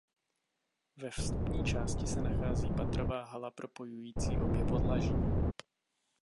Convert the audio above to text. Ve vstupní části se nachází patrová hala propojující obě podlaží.